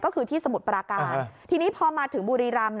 ก็คือที่สมุทรปราการทีนี้พอมาถึงบุรีรำ